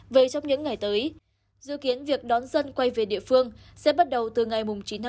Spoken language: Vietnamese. về trong những ngày tới dự kiến việc đón dân quay về địa phương sẽ bắt đầu từ ngày chín tháng một mươi